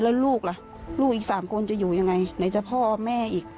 แล้วลูกล่ะลูกอีก๓คนจะอยู่ยังไงไหนจะพ่อแม่อีก